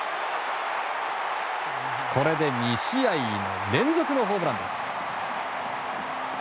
これで２試合連続のホームランです。